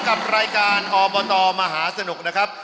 กับรายการอบตมหาสนุกนะครับ